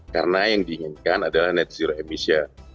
karena yang diinginkan adalah net zero emission